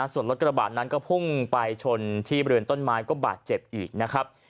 ส่วนรถกระบาดนั้นก็พุ่งไปชนที่บริเวณต้นไม้ก็บาดเจ็บอีกนะครับ